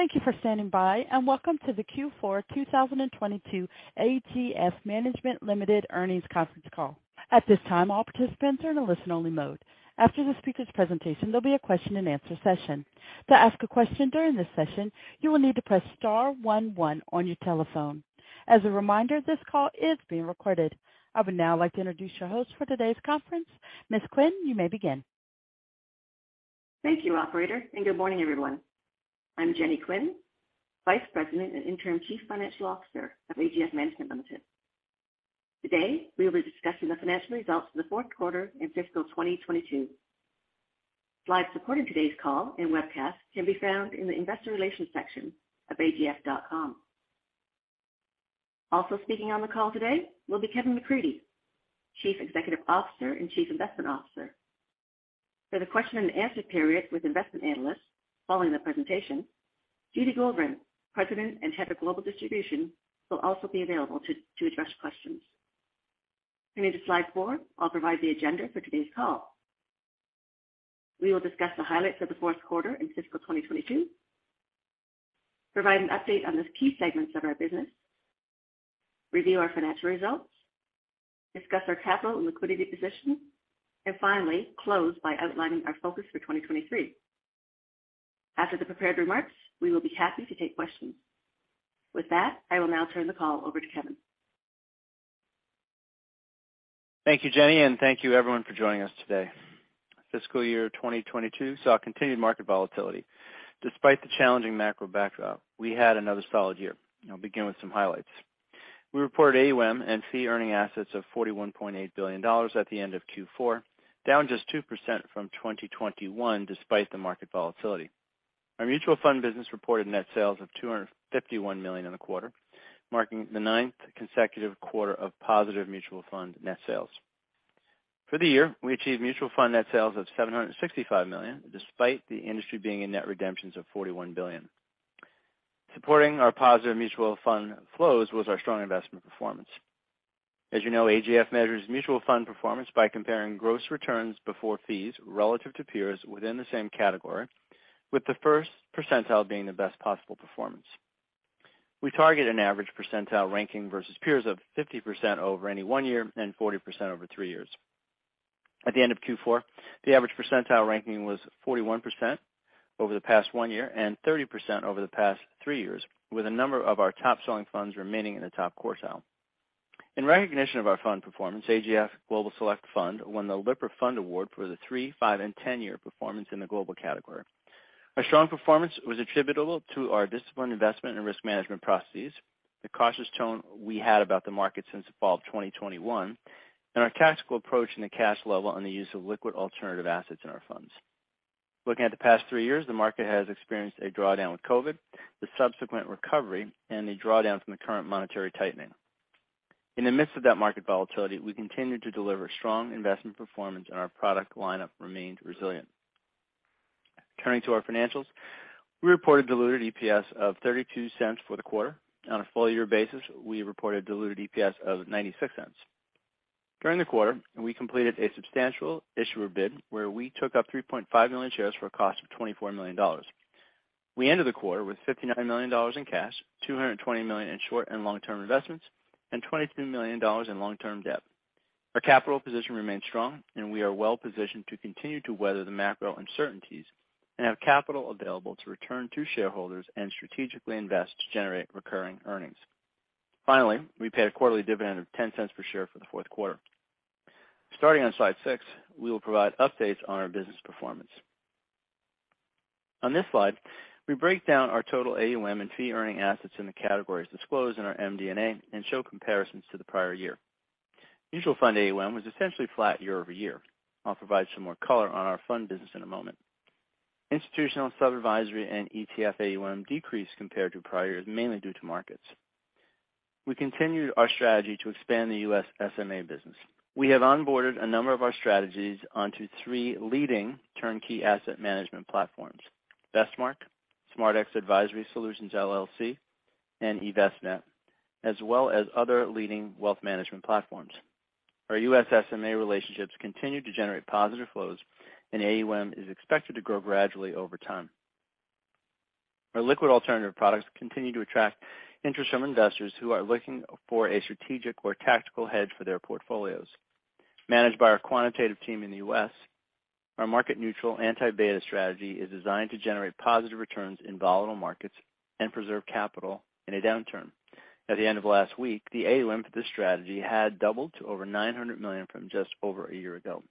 Thank you for standing by, and welcome to the Q4 2022 AGF Management Limited earnings Conference Call. At this time, all participants are in a listen only mode. After the speaker's presentation, there'll be a question-and-answer session. To ask a question during this session, you will need to press star one one on your telephone. As a reminder, this call is being recorded. I would now like to introduce your host for today's conference. Amanda Marchment, you may begin. Thank you, operator. Good morning, everyone. I'm Jenny Quinn, Vice President and Interim Chief Financial Officer of AGF Management Limited. Today, we'll be discussing the financial results of Q4 in fiscal 2022. Slides supporting today's call and webcast can be found in the investor relations section of agf.com. Also speaking on the call today will be Kevin McCreadie, Chief Executive Officer and Chief Investment Officer. For the question-and-answer period with investment analysts following the presentation, Judy Goldring, President and Head of Global Distribution, will also be available to address questions. Turning to slide four, I'll provide the agenda for today's call. We will discuss the highlights of Q4 and fiscal 2022, provide an update on the key segments of our business, review our financial results, discuss our capital and liquidity position, and finally close by outlining our focus for 2023. After the prepared remarks, we will be happy to take questions. With that, I will now turn the call over to Kevin. Thank you, Jenny. Thank you everyone for joining us today. Fiscal year 2022 saw continued market volatility. Despite the challenging macro backdrop, we had another solid year. I'll begin with some highlights. We reported AUM and fee-earning assets of 41.8 billion dollars at the end of Q4, down just 2% from 2021 despite the market volatility. Our mutual fund business reported net sales of 251 million in the quarter, marking the 9th consecutive quarter of positive mutual fund net sales. For the year, we achieved mutual fund net sales of 765 million, despite the industry being in net redemptions of 41 billion. Supporting our positive mutual fund flows was our strong investment performance. As you know, AGF measures mutual fund performance by comparing gross returns before fees relative to peers within the same category, with the first percentile being the best possible performance. We target an average percentile ranking versus peers of 50% over any one year and 40% over three years. At the end of Q4, the average percentile ranking was 41% over the past one year and 30% over the past three years, with a number of our top-selling funds remaining in the top quartile. In recognition of our fund performance, AGF Global Select Fund won the Lipper Fund Award for the three, five, and 10-year performance in the global category. Our strong performance was attributable to our disciplined investment and risk management processes, the cautious tone we had about the market since the fall of 2021, and our tactical approach in the cash level on the use of liquid alternative assets in our funds. Looking at the past 3 years, the market has experienced a drawdown with COVID, the subsequent recovery, and the drawdown from the current monetary tightening. In the midst of that market volatility, we continued to deliver strong investment performance, and our product lineup remained resilient. Turning to our financials, we reported diluted EPS of 0.32 for the quarter. On a full-year basis, we reported diluted EPS of 0.96. During the quarter, we completed a substantial issuer bid where we took up 3.5 million shares for a cost of 24 million dollars. We ended the quarter with 59 million dollars in cash, 220 million in short and long-term investments, and 22 million dollars in long-term debt. Our capital position remains strong, and we are well-positioned to continue to weather the macro uncertainties and have capital available to return to shareholders and strategically invest to generate recurring earnings. Finally, we paid a quarterly dividend of 0.10 per share for Q4. Starting on slide 6, we will provide updates on our business performance. On this slide, we break down our total AUM and fee-earning assets in the categories disclosed in our MD&A and show comparisons to the the the the the prior year. Mutual fund AUM was essentially flat year-over-year. I'll provide some more color on our fund business in a moment. Institutional sub-advisory and ETF AUM decreased compared to prior years, mainly due to markets. We continued our strategy to expand the U.S. SMA business. We have onboarded a number of our strategies onto three leading turnkey asset management platforms, Vestmark, SMArtX Advisory Solutions LLC, and eVestment, as well as other leading wealth management platforms. Our U.S. SMA relationships continue to generate positive flows, and AUM is expected to grow gradually over time. Our liquid alternative products continue to attract interest from investors who are looking for a strategic or tactical hedge for their portfolios. Managed by our quantitative team in the U.S., our market-neutral anti-beta strategy is designed to generate positive returns in volatile markets and preserve capital in a downturn. At the end of last week, the AUM for this strategy had doubled to over $900 million from just over a year ago.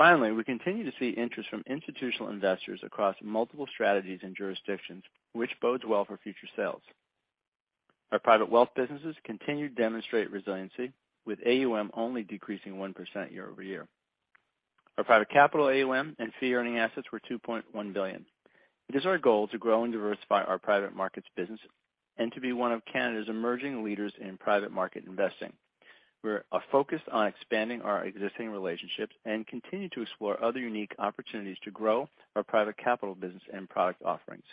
Finally, we continue to see interest from institutional investors across multiple strategies and jurisdictions, which bodes well for future sales. Our private wealth businesses continue to demonstrate resiliency, with AUM only decreasing 1% year-over-year. Our private capital AUM and fee-earning assets were 2.1 billion. It is our goal to grow and diversify our private markets business and to be one of Canada's emerging leaders in private market investing. We're focused on expanding our existing relationships and continue to explore other unique opportunities to grow our private capital business and product offerings.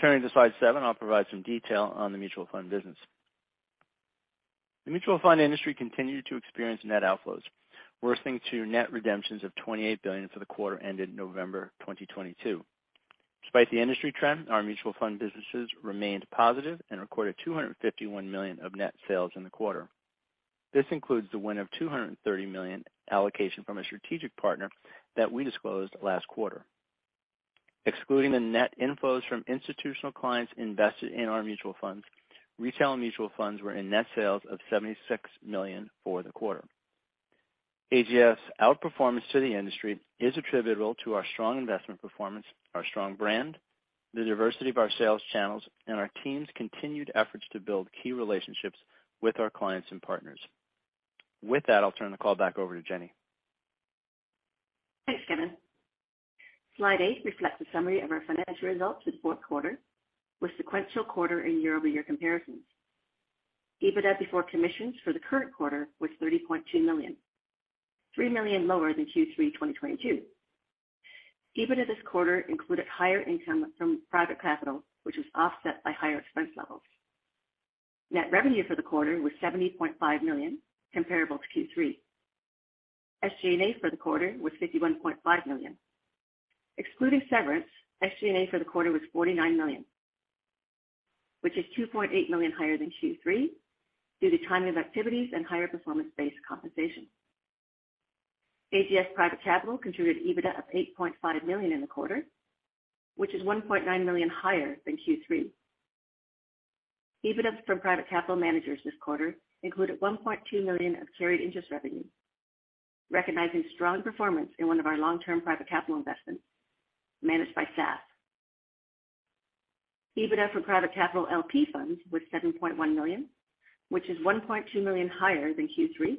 Turning to slide 7, I'll provide some detail on the mutual fund business. The mutual fund industry continued to experience net outflows, worsening to net redemptions of 28 billion for the quarter ended November 2022. Despite the industry trend, our mutual fund businesses remained positive and recorded 251 million of net sales in the quarter. This includes the win of 230 million allocation from a strategic partner that we disclosed last quarter. Excluding the net inflows from institutional clients invested in our mutual funds, retail and mutual funds were in net sales of 76 million for the quarter. AGF's outperformance to the industry is attributable to our strong investment performance, our strong brand, the diversity of our sales channels, and our team's continued efforts to build key relationships with our clients and partners. With that, I'll turn the call back over to Jenny. Thanks, Kevin. Slide 8 reflects a summary of our financial results in Q4 with sequential quarter and year-over-year comparisons. EBITDA before commissions for the current quarter was 30.2 million, 3 million lower than Q3 2022. EBITDA this quarter included higher income from private capital, which was offset by higher expense levels. Net revenue for the quarter was 70 million, comparable to Q3. SG&A for the quarter was 51.5 million. Excluding severance, SG&A for the quarter was 49 million, which is 2.8 million higher than Q3 due to the timing of activities and higher performance-based compensation. AGF's private capital contributed EBITDA of 8.5 million in the quarter, which is 1.9 million higher than Q3. EBITDA from private capital managers this quarter included 1.2 million of carried interest revenue, recognizing strong performance in one of our long-term private capital investments managed by SAF Group. EBITDA for private capital LP funds was 7.1 million, which is 1.2 million higher than Q3.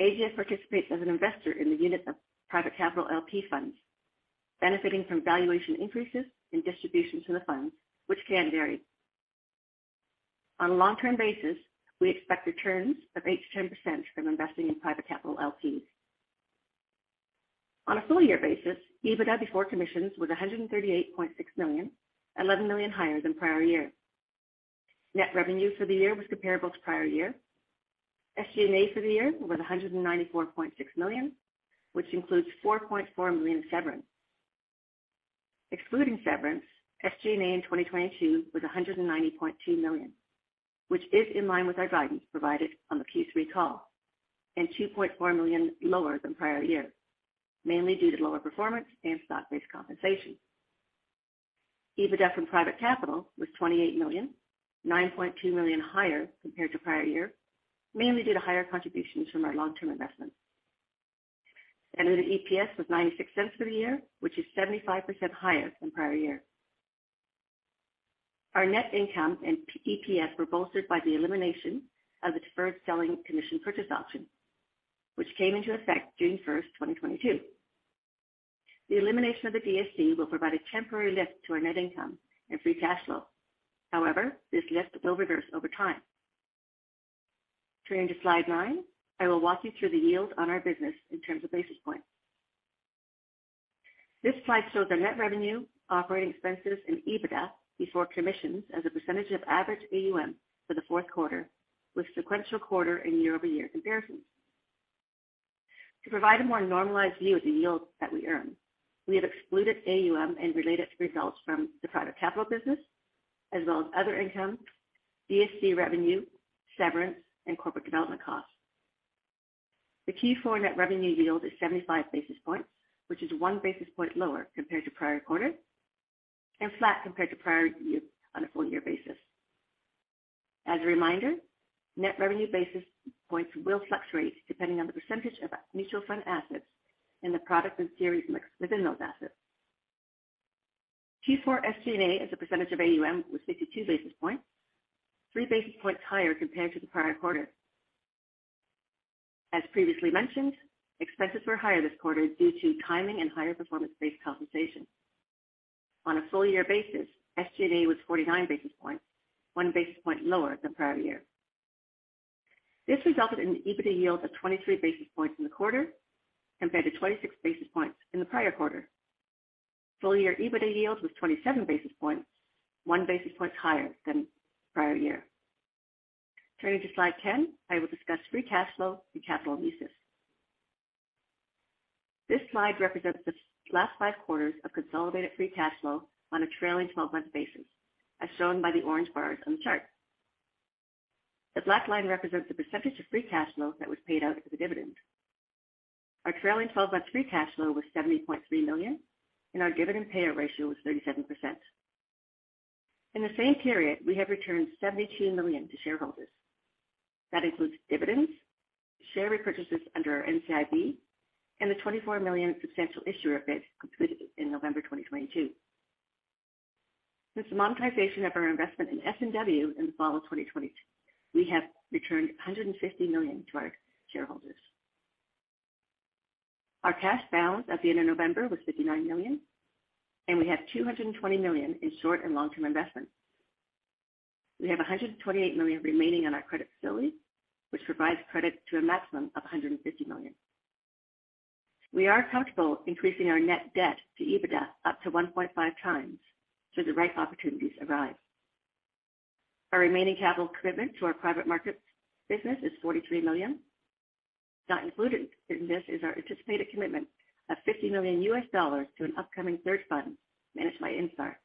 AGF participates as an investor in the units of private capital LP funds, benefiting from valuation increases and distributions to the funds, which can vary. On a long-term basis, we expect returns of 8%-10% from investing in private capital LPs. On a full-year basis, EBITDA before commissions was 138.6 million, 11 million higher than the prior year. Net revenue for the year was comparable to the prior year. SG&A for the year was 194.6 million, which includes 4.4 million severance. Excluding severance, SG&A in 2022 was 190.2 million, which is in line with our guidance provided on the Q3 call, and 2.4 million lower than the prior year, mainly due to lower performance and stock-based compensation. EBITDA from private capital was 28 million, 9.2 million higher compared to the prior year, mainly due to higher contributions from our long-term investments. Diluted EPS was 0.96 for the year, which is 75% higher than the prior year. Our net income and P-EPS were bolstered by the elimination of the Deferred Sales Charge Purchase Option, which came into effect June 1, 2022. The elimination of the DSC will provide a temporary lift to our net income and free cash flow. However, this lift will reverse over time. Turning to slide 9, I will walk you through the yield on our business in terms of basis points. This slide shows our net revenue, operating expenses, and EBITDA before commissions as a percentage of average AUM for Q4 with sequential quarter and year-over-year comparisons. To provide a more normalized view of the yields that we earn, we have excluded AUM and related results from the private capital business as well as other income, DSC revenue, severance, and corporate development costs. The Q4 net revenue yield is 75 basis points, which is 1 basis point lower compared to the prior quarter and flat compared to the prior year on a full-year basis. As a reminder, net revenue basis points will fluctuate depending on the percentage of mutual fund assets and the product and series mix within those assets. Q4 SG&A as a percentage of AUM was 52 basis points, 3 basis points higher compared to the prior quarter. As previously mentioned, expenses were higher this quarter due to timing and higher performance-based compensation. On a full-year basis, SG&A was 49 basis points, 1 basis point lower than the prior year. This resulted in an EBITA yield of 23 basis points in the quarter compared to 26 basis points in the prior quarter. Full-year EBITA yield was 27 basis points, 1 basis point higher than the prior year. Turning to slide 10, I will discuss free cash flow and capital uses. This slide represents the last 5 quarters of consolidated free cash flow on a trailing 12-month basis, as shown by the orange bars on the chart. The black line represents the percentage of free cash flow that was paid out as a dividend. Our trailing 12-month free cash flow was 70.3 million, our dividend payout ratio was 37%. In the same period, we have returned 72 million to shareholders. That includes dividends, share repurchases under our NCIB, and the 24 million substantial issuer bid completed in November 2022. Since the monetization of our investment in S&W in the fall of 2022, we have returned 150 million to our shareholders. Our cash balance at the end of November was 59 million, we have 220 million in short and long-term investments. We have 128 million remaining on our credit facility, which provides credit to a maximum of 150 million. We are comfortable increasing our net debt to EBITDA up to 1.5x so the right opportunities arrive. Our remaining capital commitment to our private markets business is 43 million. Not included in this is our anticipated commitment of $50 million to an upcoming third fund managed by Instar.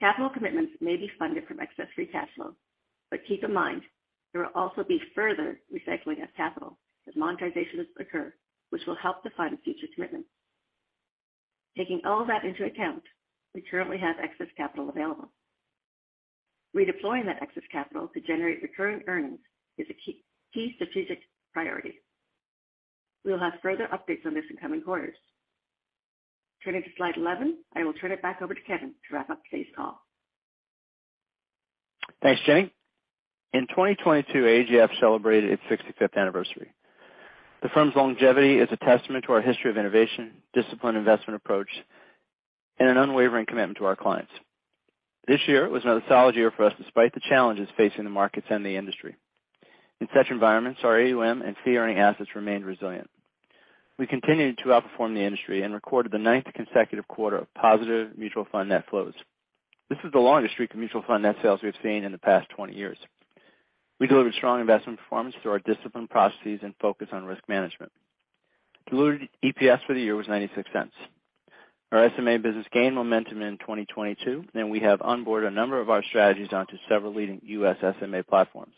Capital commitments may be funded from excess free cash flow. Keep in mind, there will also be further recycling of capital as monetizations occur, which will help to fund future commitments. Taking all that into account, we currently have excess capital available. Redeploying that excess capital to generate recurring earnings is a key strategic priority. We will have further updates on this in coming quarters. Turning to slide 11, I will turn it back over to Kevin to wrap up today's call. Thanks, Jenny. In 2022, AGF celebrated its 65th anniversary. The firm's longevity is a testament to our history of innovation, disciplined investment approach, and an unwavering commitment to our clients. This year was another solid year for us despite the challenges facing the markets and the industry. In such environments, our AUM and fee-earning assets remained resilient. We continued to outperform the industry and recorded the ninth consecutive quarter of positive mutual fund net flows. This is the longest streak of mutual fund net sales we've seen in the past 20 years. We delivered strong investment performance through our disciplined processes and focus on risk management. Diluted EPS for the year was $0.96. Our SMA business gained momentum in 2022, and we have onboarded a number of our strategies onto several leading U.S. SMA platforms.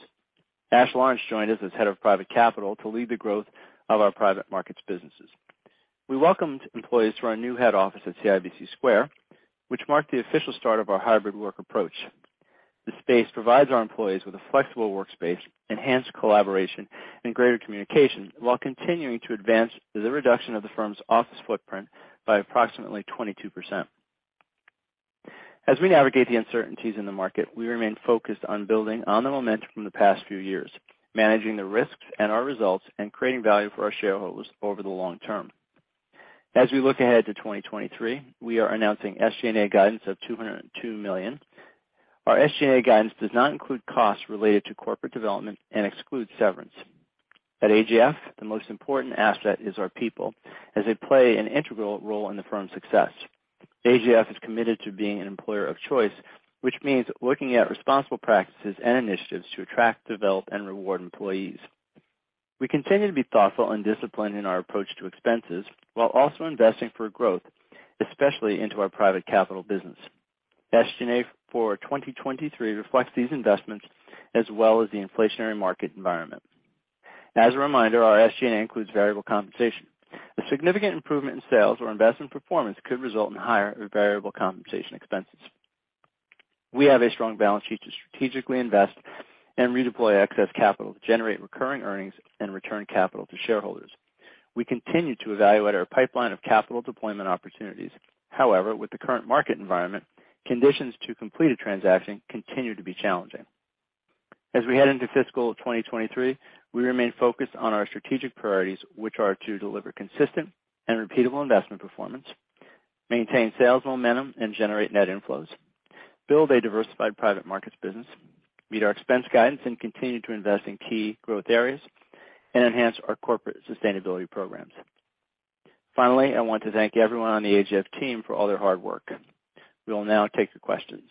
Ash Lawrence joined us as Head of Private Capital to lead the growth of our private markets businesses. We welcomed employees to our new head office at CIBC Square, which marked the official start of our hybrid work approach. The space provides our employees with a flexible workspace, enhanced collaboration, and greater communication, while continuing to advance the reduction of the firm's office footprint by approximately 22%. As we navigate the uncertainties in the market, we remain focused on building on the momentum from the past few years, managing the risks and our results, and creating value for our shareholders over the long-term. As we look ahead to 2023, we are announcing SG&A guidance of 202 million. Our SG&A guidance does not include costs related to corporate development and excludes severance. At AGF, the most important asset is our people as they play an integral role in the firm's success. AGF is committed to being an employer of choice, which means looking at responsible practices and initiatives to attract, develop, and reward employees. We continue to be thoughtful and disciplined in our approach to expenses while also investing for growth, especially into our private capital business. SG&A for 2023 reflects these investments as well as the inflationary market environment. As a reminder, our SG&A includes variable compensation. A significant improvement in sales or investment performance could result in higher variable compensation expenses. We have a strong balance sheet to strategically invest and redeploy excess capital to generate recurring earnings and return capital to shareholders. We continue to evaluate our pipeline of capital deployment opportunities. However, with the current market environment, conditions to complete a transaction continue to be challenging. As we head into fiscal 2023, we remain focused on our strategic priorities, which are to deliver consistent and repeatable investment performance, maintain sales momentum, and generate net inflows, build a diversified private markets business, meet our expense guidance, and continue to invest in key growth areas, and enhance our corporate sustainability programs. Finally, I want to thank everyone on the AGF team for all their hard work. We will now take the questions.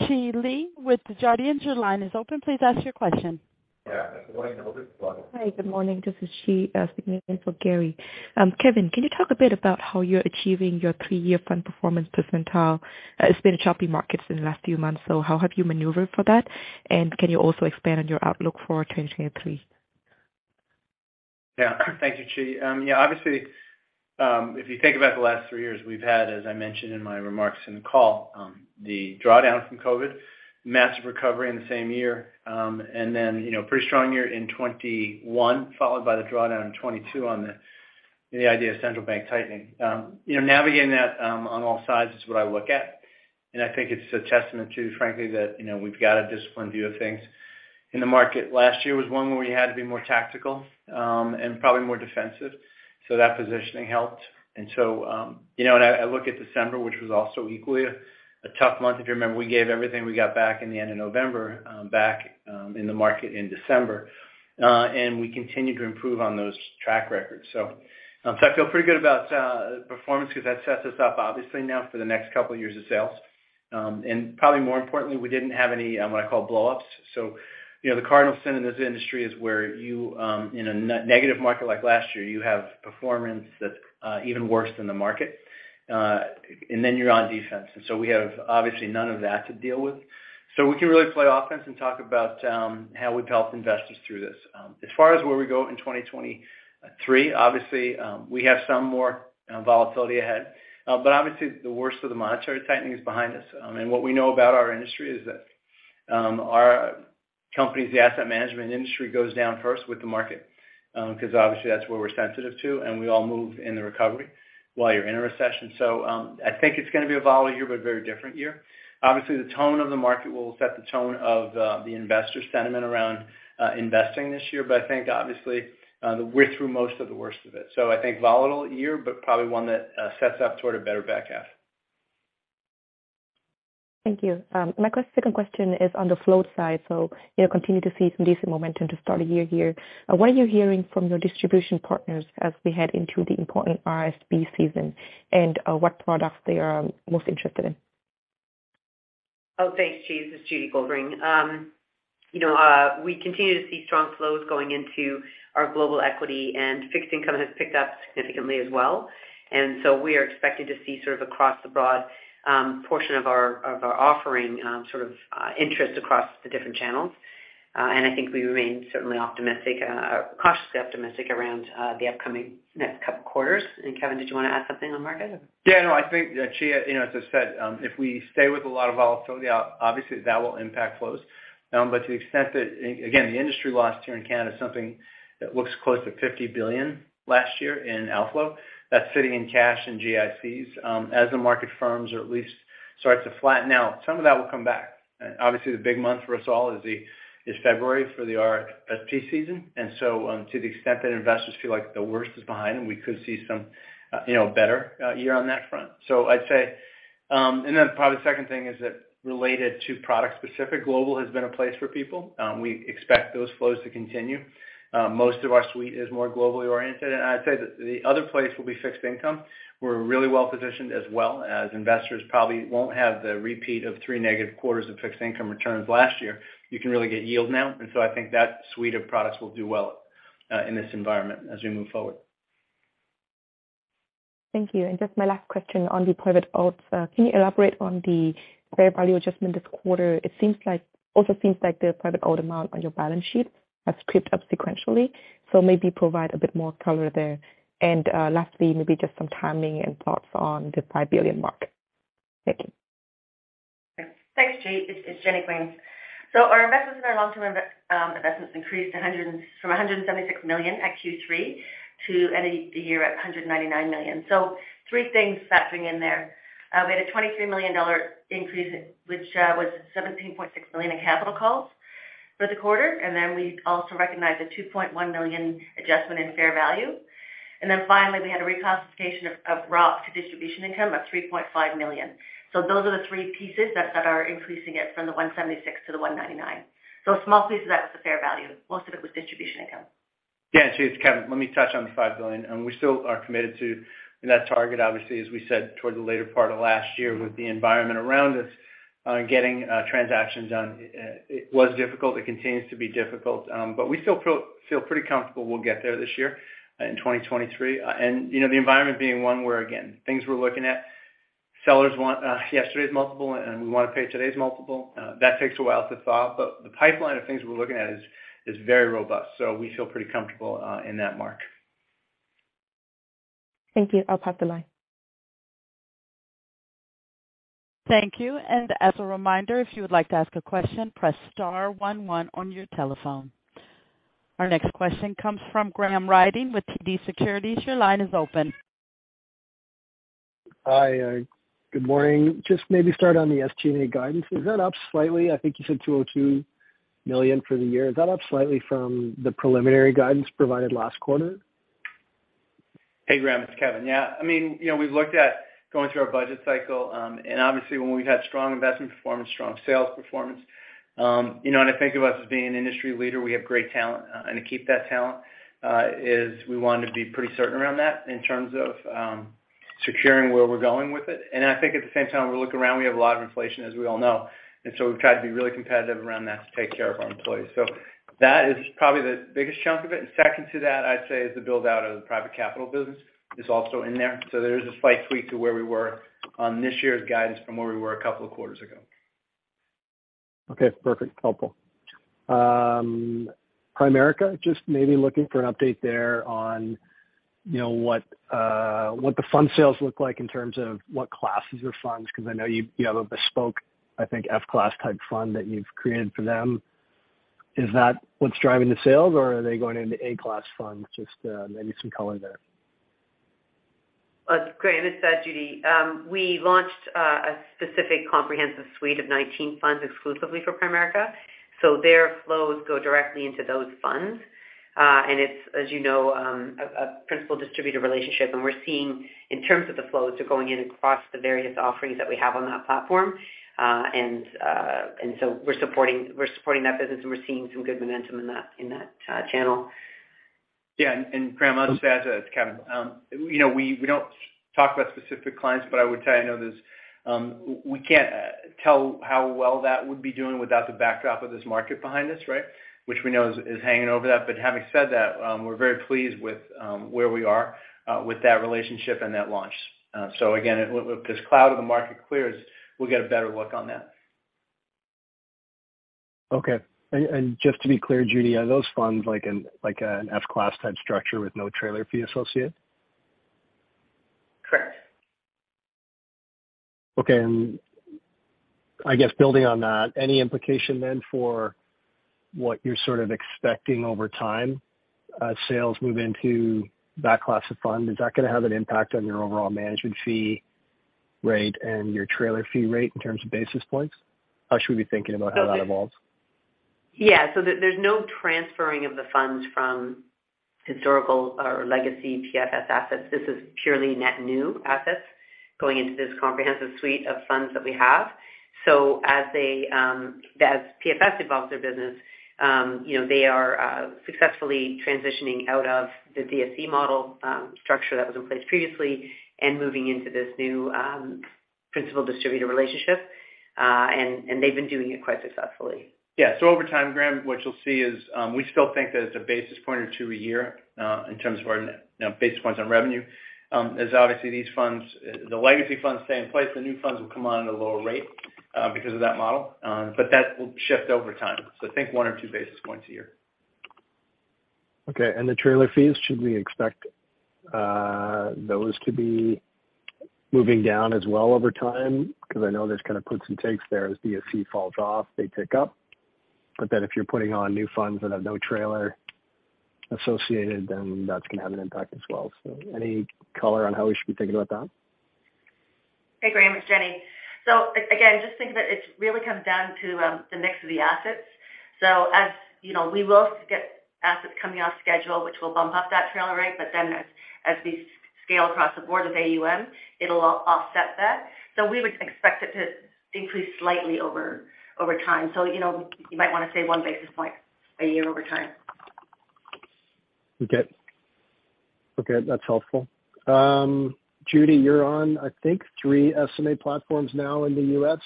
Chi Le with the. Your line is open. Please ask your question. Hi. Good morning. This is Chi speaking in for Gary. Kevin, can you talk a bit about how you're achieving your 3-year fund performance percentile? It's been a choppy markets in the last few months, so how have you maneuvered for that? Can you also expand on your outlook for 2023? Yeah. Thank you, Chi. Yeah, obviously, if you think about the last three years, we've had, as I mentioned in my remarks in the call, the drawdown from COVID, massive recovery in the same year, and then, you know, pretty strong year in 2021, followed by the drawdown in 2022 on the idea of central bank tightening. You know, navigating that on all sides is what I look at. I think it's a testament to, frankly, that, you know, we've got a disciplined view of things. In the market last year was one where we had to be more tactical and probably more defensive. That positioning helped. You know, and I look at December, which was also equally a tough month. If you remember, we gave everything we got back in the end of November, in the market in December. We continued to improve on those track records. I feel pretty good about performance because that sets us up obviously now for the next couple of years of sales. Probably more importantly, we didn't have any what I call blowups. You know, the cardinal sin in this industry is where you, in a negative market like last year, you have performance that's even worse than the market. Then you're on defense. We have obviously none of that to deal with. We can really play offense and talk about how we've helped investors through this. As far as where we go in 2023, obviously, we have some more volatility ahead. Obviously the worst of the monetary tightening is behind us. What we know about our industry is that the asset management industry goes down first with the market because obviously that's where we're sensitive to, and we all move in the recovery while you're in a recession. I think it's gonna be a volatile year but a very different year. Obviously, the tone of the market will set the tone of the investor sentiment around investing this year. I think obviously, we're through most of the worst of it. I think volatile year, but probably one that sets up toward a better back half. Thank you. My second question is on the float side. You continue to see some decent momentum to start a year here. What are you hearing from your distribution partners as we head into the important RSP season, and what products they are most interested in? Oh, thanks, Chi. This is Judy Goldring. You know, we continue to see strong flows going into our global equity, and fixed income has picked up significantly as well. We are expecting to see sort of across the broad portion of our offering, sort of interest across the different channels. I think we remain certainly optimistic, cautiously optimistic around the upcoming next couple of quarters. Kevin, did you want to add something on market? Yeah, no, I think, Chi, you know, as I said, if we stay with a lot of volatility, obviously that will impact flows. To the extent that, again, the industry lost here in Canada, something that looks close to 50 billion last year in outflow. That's sitting in cash and GICs. As the market firms or at least starts to flatten out, some of that will come back. Obviously, the big month for us all is February for the RSP season. To the extent that investors feel like the worst is behind, and we could see some, you know, better year on that front. I'd say. Then probably the second thing is that related to product-specific, global has been a place for people. We expect those flows to continue. Most of our suite is more globally oriented. I'd say that the other place will be fixed income. We're really well-positioned as well, as investors probably won't have the repeat of three negative quarters of fixed income returns last year. You can really get yield now. I think that suite of products will do well in this environment as we move forward. Thank you. Just my last question on the private alts. Can you elaborate on the fair value adjustment this quarter? Also seems like the private alt amount on your balance sheet has crept up sequentially, so maybe provide a bit more color there. Lastly, maybe just some timing and thoughts on the 5 billion mark. Thank you. Thanks, Chi. It's Jenny Quinn. Our investments in our long-term investments increased from 176 million at Q3 to ending the year at 199 million. 3 things factoring in there. We had a 23 million dollar increase, which was 17.6 million in capital calls for the quarter. We also recognized a 2.1 million adjustment in fair value. Finally, we had a reclassification of ROIC to distribution income of 3.5 million. Those are the 3 pieces that are increasing it from 176 to 199. A small piece of that was the fair value. Most of it was distribution income. Yeah. Chi, it's Kevin. Let me touch on the $5 billion. We still are committed to that target, obviously, as we said toward the later part of last year with the environment around us, getting transactions done, it was difficult. It continues to be difficult. We feel pretty comfortable we'll get there this year in 2023. You know, the environment being one where, again, things we're looking at, sellers want yesterday's multiple, and we want to pay today's multiple. That takes a while to thaw. The pipeline of things we're looking at is very robust, so we feel pretty comfortable in that mark. Thank you. I'll pass the line. Thank you. As a reminder, if you would like to ask a question, press star 11 on your telephone. Our next question comes from Graham Ryding with TD Securities. Your line is open. Hi, good morning. Just maybe start on the SG&A guidance. Is that up slightly? I think you said 202 million for the year. Is that up slightly from the preliminary guidance provided last quarter? Hey, Graham, it's Kevin. Yeah. I mean, you know, we've looked at going through our budget cycle. Obviously when we've had strong investment performance, strong sales performance, you know, and I think of us as being an industry leader. We have great talent, and to keep that talent, is we want to be pretty certain around that in terms of securing where we're going with it. I think at the same time, we look around, we have a lot of inflation, as we all know. So we've tried to be really competitive around that to take care of our employees. So that is probably the biggest chunk of it. Second to that, I'd say, is the build-out of the private capital business is also in there. There is a slight tweak to where we were on this year's guidance from where we were 2 quarters ago. Okay, perfect. Helpful. Primerica, just maybe looking for an update there on, you know, what the fund sales look like in terms of what classes of funds, because I know you have a bespoke, I think, F-class type fund that you've created for them. Is that what's driving the sales, or are they going into A-class funds? Just, maybe some color there. Graham, it's Judy. We launched a specific comprehensive suite of 19 funds exclusively for Primerica, so their flows go directly into those funds. It's, as you know, a principal distributor relationship, and we're seeing in terms of the flows are going in across the various offerings that we have on that platform. We're supporting that business, and we're seeing some good momentum in that channel. Yeah. Graham, I'll just add to that. It's Kevin. you know, we don't talk about specific clients, but I would tell you I know there's, we can't tell how well that would be doing without the backdrop of this market behind us, right? Which we know is hanging over that. Having said that, we're very pleased with where we are with that relationship and that launch. Again, with this cloud of the market clears, we'll get a better look on that. Okay. Just to be clear, Judy, are those funds like an F-class type structure with no trailer fee associated? Correct. Okay. I guess building on that, any implication then for what you're sort of expecting over time as sales move into that class of fund? Is that going to have an impact on your overall management fee rate and your trailer fee rate in terms of basis points? How should we be thinking about how that evolves? Yeah. There's no transferring of the funds from historical or legacy PFS assets. This is purely net new assets going into this comprehensive suite of funds that we have. As they, as PFS evolves their business, you know, they are successfully transitioning out of the DSC model structure that was in place previously and moving into this new principal distributor relationship. And they've been doing it quite successfully. Yeah. Over time, Graham, what you'll see is, we still think that it's a basis point or two a year, in terms of our basis points on revenue, as obviously these funds, the legacy funds stay in place, the new funds will come on at a lower rate, because of that model, but that will shift over time. Think one or two basis points a year. Okay. The trailer fees, should we expect those to be moving down as well over time? I know there's kind of puts and takes there. As DSC falls off, they pick up. If you're putting on new funds that have no trailer associated, then that's going to have an impact as well. Any color on how we should be thinking about that? Hey, Graham, it's Jenny. Just think that it really comes down to the mix of the assets. You know, we will get assets coming off schedule, which will bump up that trailer rate. As we scale across the board of AUM, it'll offset that. We would expect it to increase slightly over time. You know, you might want to say 1 basis point a year over time. Okay. Okay, that's helpful. Judy, you're on, I think, three SMA platforms now in the U.S.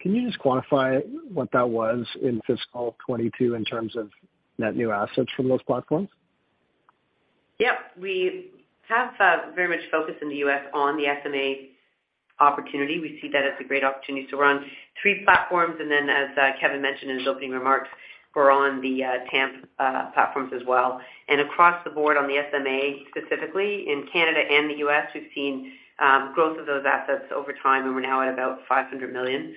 Can you just quantify what that was in fiscal 2022 in terms of net new assets from those platforms? Yep. We have very much focused in the U.S. on the SMA opportunity. We see that as a great opportunity. We're on three platforms. As Kevin mentioned in his opening remarks, we're on the TAMP platforms as well. Across the board on the SMA, specifically in Canada and the U.S., we've seen growth of those assets over time, and we're now at about $500 million.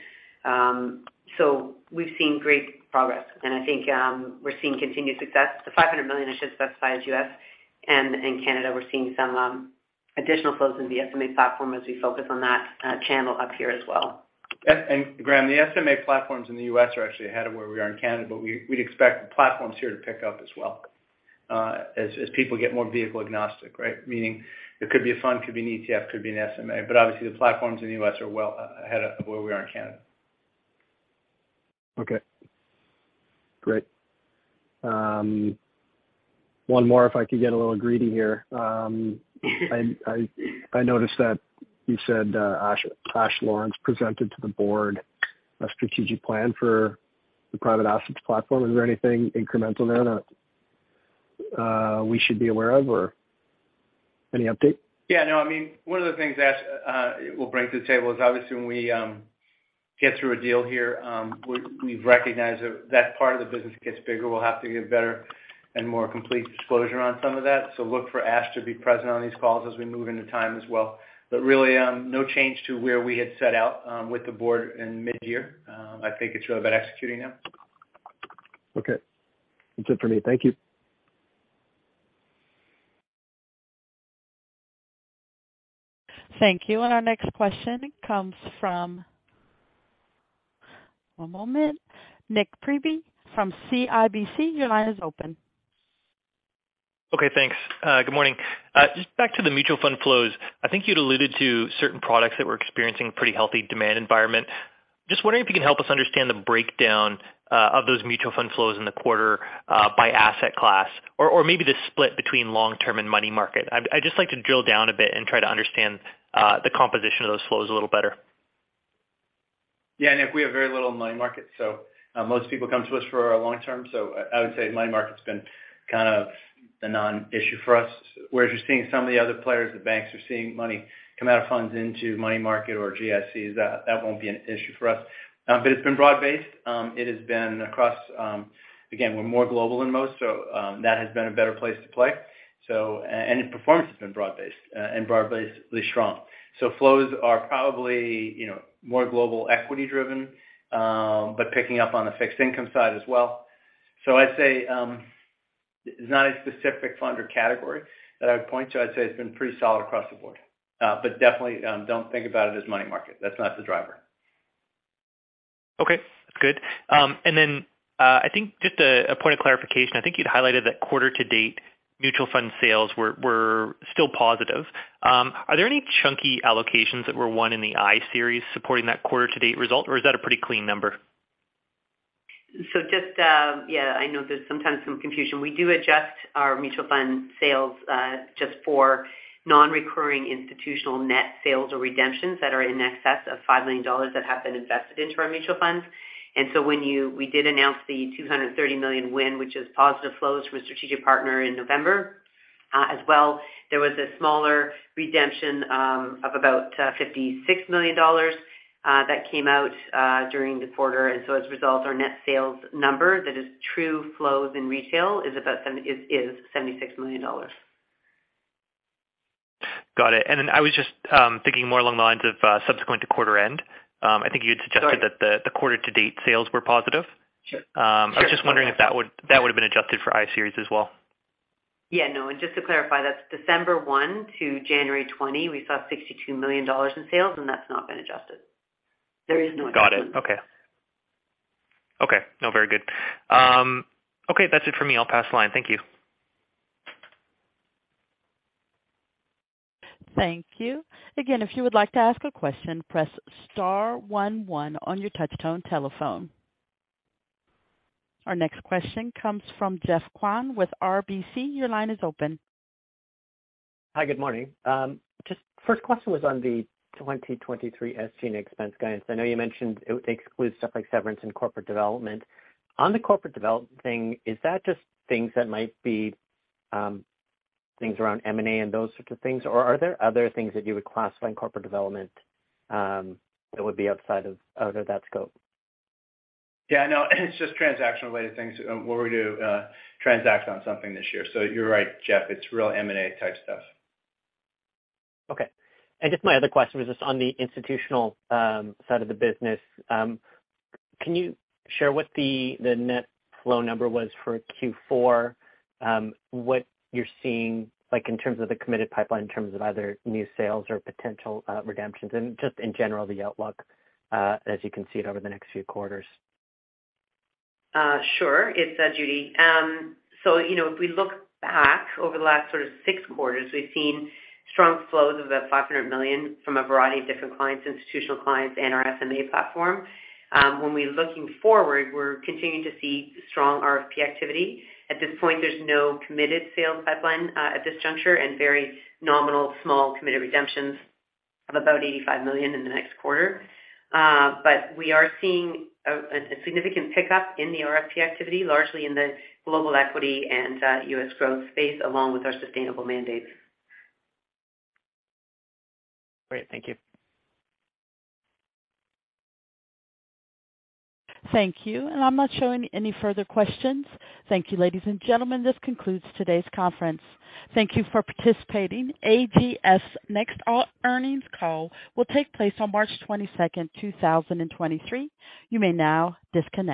We've seen great progress. I think we're seeing continued success. The $500 million I should specify is U.S., and in Canada, we're seeing some additional flows in the SMA platform as we focus on that channel up here as well. Graham, the SMA platforms in the U.S. are actually ahead of where we are in Canada, we'd expect the platforms here to pick up as well, as people get more vehicle agnostic, right? Meaning it could be a fund, could be an ETF, could be an SMA. Obviously the platforms in the U.S. are well ahead of where we are in Canada. Okay, great. One more, if I could get a little greedy here. I noticed that you said Ash Lawrence presented to the board a strategic plan for the private assets platform. Is there anything incremental there that we should be aware of or any update? Yeah, no, I mean, one of the things Ash will bring to the table is obviously when we get through a deal here, we've recognized that part of the business gets bigger. We'll have to get better and more complete disclosure on some of that. Look for Ash to be present on these calls as we move into time as well. Really, no change to where we had set out with the board in mid-year. I think it's really about executing now. Okay. That's it for me. Thank you. Thank you. Our next question comes from. One moment. Nik Priebe from CIBC. Your line is open. Okay, thanks. Good morning. Just back to the mutual fund flows. I think you'd alluded to certain products that were experiencing a pretty healthy demand environment. Just wondering if you can help us understand the breakdown of those mutual fund flows in the quarter by asset class or maybe the split between long-term and money market. I'd just like to drill down a bit and try to understand the composition of those flows a little better. Nik, we have very little money market. Most people come to us for our long-term. I would say money market's been kind of a non-issue for us. Whereas you're seeing some of the other players, the banks are seeing money come out of funds into money market or GICs. That won't be an issue for us. It's been broad-based. It has been across. Again, we're more global than most. That has been a better place to play. And performance has been broad-based and broadly strong. Flows are probably, you know, more global equity driven, picking up on the fixed income side as well. I'd say it's not a specific fund or category that I would point to. I'd say it's been pretty solid across the board. Definitely, don't think about it as money market. That's not the driver. Okay, that's good. I think just a point of clarification. I think you'd highlighted that quarter-to-date mutual fund sales were still positive. Are there any chunky allocations that were won in the Series I supporting that quarter-to-date result, or is that a pretty clean number? Just, yeah, I know there's sometimes some confusion. We do adjust our mutual fund sales just for non-recurring institutional net sales or redemptions that are in excess of 5 million dollars that have been invested into our mutual funds. When we did announce the 230 million win, which is positive flows from a strategic partner in November. As well, there was a smaller redemption of about 56 million dollars that came out during the quarter. As a result, our net sales number that is true flows in retail is 76 million dollars. Got it. Then I was just thinking more along the lines of subsequent to quarter-end. I think you had suggested. Sorry. That the quarter-to-date sales were positive. Sure. I was just wondering if that would have been adjusted for Series I as well. Yeah, no. Just to clarify, that's December 1 to January 20, we saw 62 million dollars in sales, and that's not been adjusted. There is. Got it. Okay. Okay. No, very good. Okay, that's it for me. I'll pass line. Thank you. Thank you. Again, if you would like to ask a question, press star one one on your touchtone telephone. Our next question comes from Geoffrey Kwan with RBC. Your line is open. Hi, good morning. Just first question was on the 2023 SG&A expense guidance. I know you mentioned it excludes stuff like severance and corporate development. On the corporate development thing, is that just things that might be, things around M&A and those sorts of things? Or are there other things that you would classify in corporate development, that would be outside of that scope? Yeah, no, it's just transaction related things where we do transact on something this year. You're right, Jeff. It's real M&A type stuff. Okay. I guess my other question was just on the institutional side of the business. Can you share what the net flow number was for Q4? What you're seeing like in terms of the committed pipeline, in terms of either new sales or potential redemptions and just in general the outlook as you can see it over the next few quarters. Sure. It's Judy. You know, if we look back over the last sort of six quarters, we've seen strong flows of about 500 million from a variety of different clients, institutional clients and our SMA platform. When we're looking forward, we're continuing to see strong RFP activity. At this point, there's no committed sales pipeline at this juncture and very nominal small committed redemptions of about 85 million in the next quarter. We are seeing a significant pickup in the RFP activity, largely in the global equity and U.S. growth space along with our sustainable mandates. Great. Thank you. Thank you. I'm not showing any further questions. Thank you, ladies and gentlemen. This concludes today's conference. Thank you for participating. AGF next earnings call will take place on March 22nd, 2023. You may now disconnect.